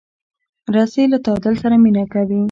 رسۍ له تعادل سره مرسته کوي.